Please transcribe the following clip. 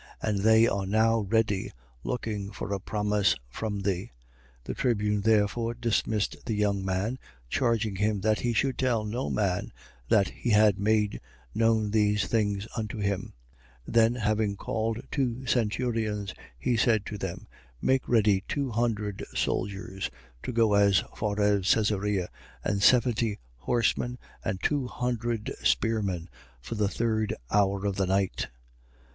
And they are now ready, looking for a promise from thee. 23:22. The tribune therefore dismissed the young man, charging him that he should tell no man that he had made known these things unto him. 23:23. Then having called two centurions, he said to them: Make ready two hundred soldiers to go as far as Caesarea: and seventy horsemen and two hundred spearmen, for the third hour of the night.